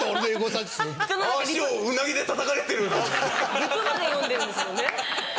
リプまで読んでるんですもんね。